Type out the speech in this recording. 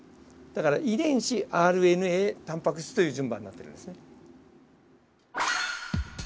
だから遺伝子ＲＮＡタンパク質という順番になってるんですね。